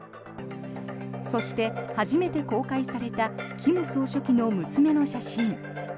そして、初めて公開された金総書記の娘の写真。